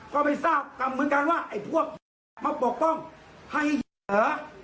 ก็ไม่ทราบกรรมเหมือนกันว่าพวกผู้ปกป้องให้เหลือ